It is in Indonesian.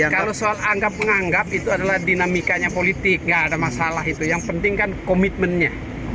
kalau soal anggap menganggap itu adalah dinamikanya politik nggak ada masalah itu yang penting kan komitmennya